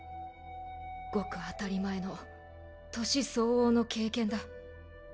ごく当たり前の年相応の経験だ